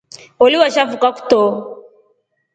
Oli washafuka kutro.